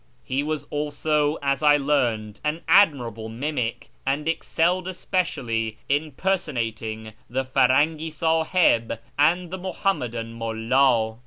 He was also, as I learned, an admirable mimic, and excelled especially in personating the Firangi Sahib and the Muhammadan Mulla.